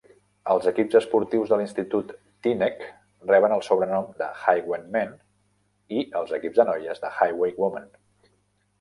Els equips esportius de l'institut Teaneck reben el sobrenom de Highwaymen, i els equips de noies, de Highwaywomen.